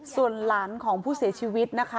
ส่วนหลานของผู้เสียชีวิตนะคะ